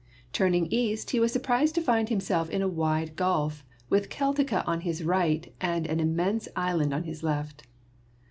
Turning to the east, he was surprised to find himself in a wife gulf, with Celtica on his right and an immense island on his left.